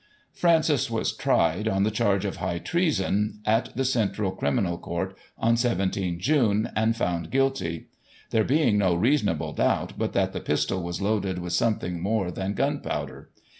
Francis was tried, on the charge of High Treason, at the Central Criminal Court, on 17 June, and found guilty; there being no reasonable doubt but that the pistol was loaded with something more than gunpowder.